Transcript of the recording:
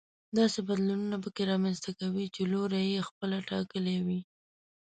داسې بدلون پکې رامنځته کوي چې لوری يې خپله ټاکلی وي.